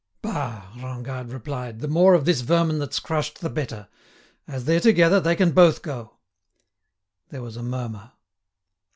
"Bah!" Rengade replied; "the more of this vermin that's crushed the better. As they're together, they can both go." There was a murmur.